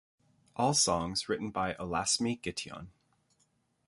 All songs written by Alassmi Gittion.